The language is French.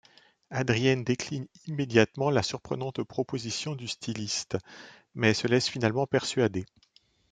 Adrienne décline immédiatement la surprenante proposition du styliste... mais se laisse finalement persuader.